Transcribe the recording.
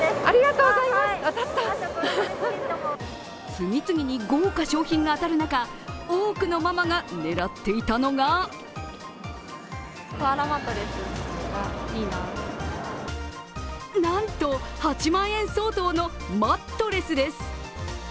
次々に豪華賞品が当たる中多くのママが狙っていたのがなんと８万円相当のマットレスです。